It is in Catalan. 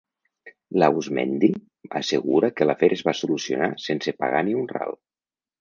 L'Auzmendi assegura que l'afer es va solucionar sense pagar ni un ral.